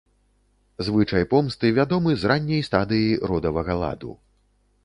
Звычай помсты вядомы з ранняй стадыі родавага ладу.